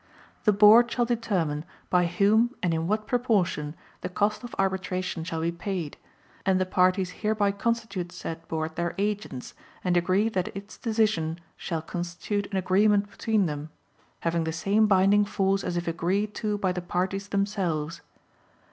The Board shall determine by whom and in what proportion the cost of arbitration shall be paid, and the parties hereby constitute said Board their agents and agree that its decision shall constitute an agreement between them, having the same binding force as if agreed to by the parties themselves.